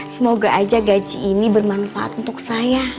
semoga aja gaji ini bermanfaat untuk saya